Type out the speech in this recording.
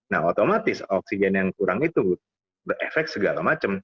nah otomatis oksigen yang kurang itu berefek segala macam